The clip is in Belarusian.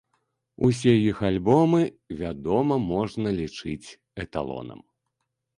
Усе іх альбомы, вядома, можна лічыць эталонам.